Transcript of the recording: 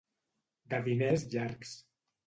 De diners llargs.